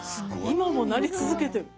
今もなり続けてる。